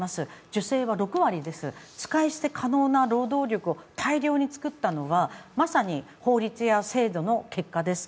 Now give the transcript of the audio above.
女性は６割です、使い捨て可能な労働力を大量に作ったのはまさに法律や制度の結果です。